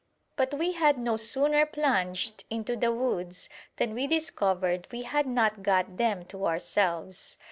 But we had no sooner plunged into the woods than we discovered we had not got them to ourselves.